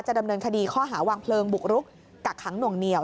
ดำเนินคดีข้อหาวางเพลิงบุกรุกกักขังหน่วงเหนียว